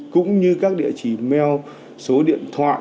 cũng như các địa chỉ mail số điện thoại